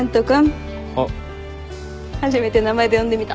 初めて名前で呼んでみた。